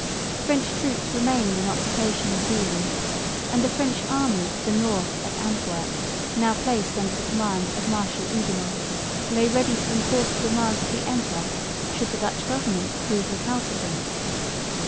French troops remained in occupation of Zeeland; and the French army of the north at Antwerp, now placed under the command of Marshal Oudinot, lay ready to enforce the demands of the emperor should the Dutch government prove recalcitrant.